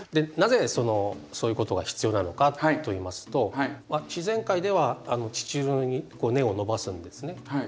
なぜそのそういうことが必要なのかといいますと自然界では地中にこう根を伸ばすんですね